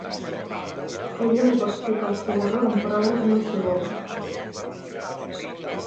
Ella li va explicar el seu error en paraules d'una síl·laba.